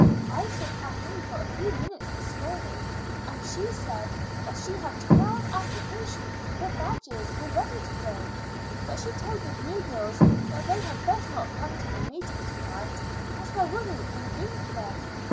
I saw Kathleen for a few minutes this morning, and she said that she had twelve applications for badges already to day, but she told the new girls that they had best not come to the meeting to night, as there wouldn't be room for them.